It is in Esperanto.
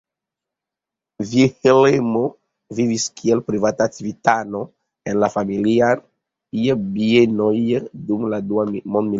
Vilhelmo vivis kiel privata civitano en la familiaj bienoj dum la Dua Mondmilito.